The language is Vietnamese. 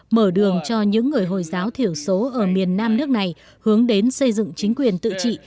mở đường cho những người hồi giáo thiểu số ở miền nam nước này hướng đến xây dựng chính quyền tự trị